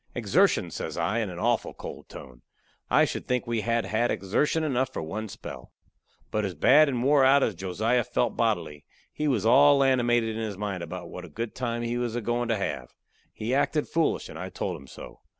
"Exertion!" says I, in a awful cold tone. "I should think we had had exertion enough for one spell." But as bad and wore out as Josiah felt bodily, he was all animated in his mind about what a good time he was a goin' to have. He acted foolish, and I told him so.